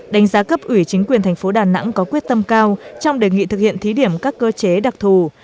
sẽ gấp ủy chính quyền thành phố đà nẵng có quyết tâm cao trong đề nghị thực hiện thí điểm các cơ chế đặc thù